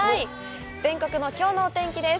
全国のきょうのお天気です。